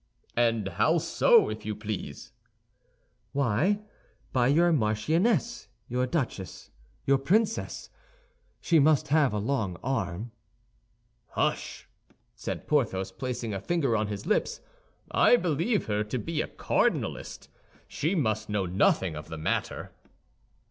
"And how so, if you please?" "Why, by your marchioness, your duchess, your princess. She must have a long arm." "Hush!" said Porthos, placing a finger on his lips. "I believe her to be a cardinalist; she must know nothing of the matter."